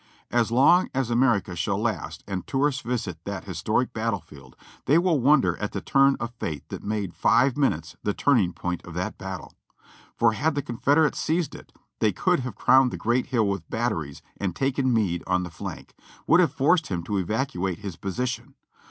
As long as Amer ica shall last and tourists visit that historic battle field, they will wonder at the turn of Fate that made Hve minutes the turning point of that battle; for had the Confederates seized it, they could have crowned the great hill with batteries and taken Meade on the flank; would have forced him to evacuate his position.